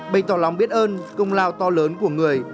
bày tỏ lòng biết ơn công lao to lớn của người